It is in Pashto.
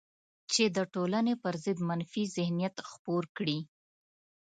چې د ټولنې پر ضد منفي ذهنیت خپور کړي